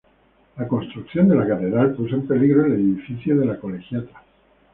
La construcción de la catedral puso en peligro el edificio de la colegiata.